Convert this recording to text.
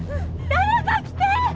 誰か来てー！